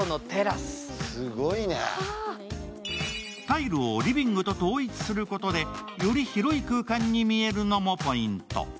タイルをリビングと統一することでより広い空間に見えるのもポイント。